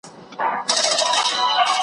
که یو ملت خپل تاریخ